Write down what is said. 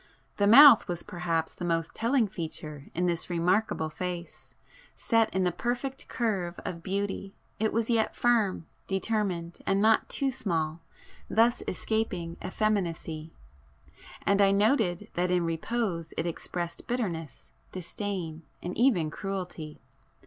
The mouth was perhaps the most telling feature in this remarkable face,—set in the perfect curve of beauty, it was yet firm, determined, and not too small, thus escaping effeminacy,—and I noted that in repose it expressed bitterness, disdain and even cruelty.